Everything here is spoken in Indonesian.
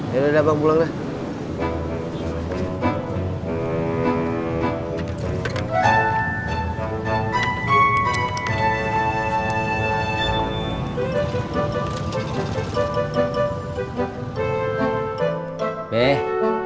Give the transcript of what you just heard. ya udah bang pulang dah